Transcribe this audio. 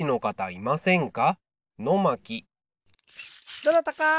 どなたか！